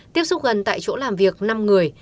tiếp xúc gần tại chỗ làm việc năm người